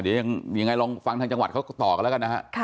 เดี๋ยวยังไงลองฟังทางจังหวัดเขาต่อกันแล้วกันนะฮะ